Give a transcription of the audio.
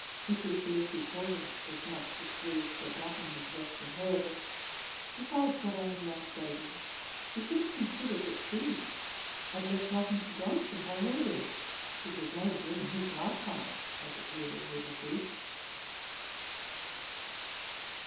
Mrs. Lucy Porter was much displeased that nothing was left to her; but besides what I have now stated, she should have considered, that she had left nothing to Johnson by her Will, which was made during his life time, as appeared at her decease.